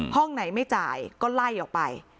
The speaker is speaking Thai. ห้องไหนไม่จ่ายก็ไล่ออกไป